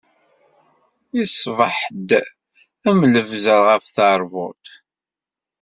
Iṣbeḥ-d am lebzeṛ ɣef teṛbut.